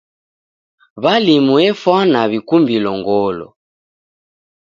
W'alimu efwana w'ikumbilo ngolo.